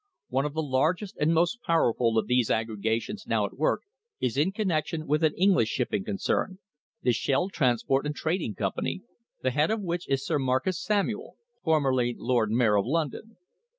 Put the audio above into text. One of the largest and most powerful of these aggregations now at work is in connection with an English shipping concern, the Shell Transport and Trading Company, the head of which is Sir Marcus Samuel, formerly Lord Mayor of London.